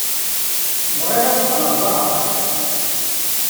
Bɣiɣ ad qqleɣ d aɣerman.